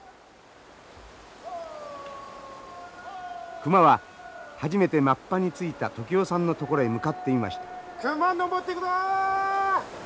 熊は初めてマッパについた時男さんのところへ向かっていました。